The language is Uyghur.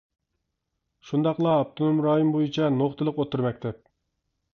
شۇنداقلا ئاپتونوم رايون بويىچە نۇقتىلىق ئوتتۇرا مەكتەپ.